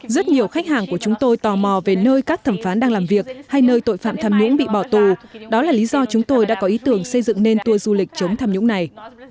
rất nhiều khách hàng của chúng tôi tò mò về nơi các thẩm phán đang làm việc hay nơi tội phạm tham nhũng bị bỏ tù đó là lý do chúng tôi đã có ý tưởng xây dựng nên tour du lịch chống tham nhũng này